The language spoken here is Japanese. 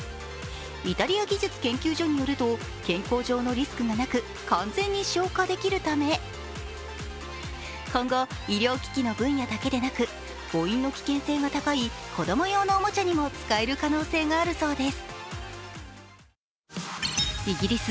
イタリア技術研究所によると健康上のリスクがなく完全に消化できるため、今後、医療機器の分野だけでなく、誤飲の危険性が高い子供用のおもちゃにも使える可能性があるそうです。